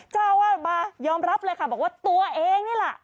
เจ้าวาดมายอมรับเลยค่ะบอกว่าตัวเองนี่แหละ